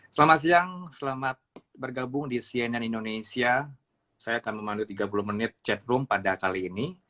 selamat siang selamat bergabung di cnn indonesia saya akan memandu tiga puluh menit chatroom pada kali ini